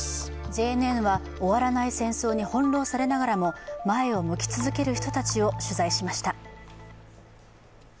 ＪＮＮは終わらない戦争に翻弄されながらも前を向き続ける人たちを取材しました。